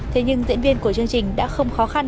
thế nhưng diễn viên của chương trình đã không khó khăn